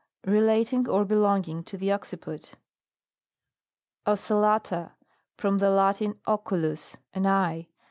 Relating or belonging to the occiput. OCELLATA. From the Latin, oculus, an eye.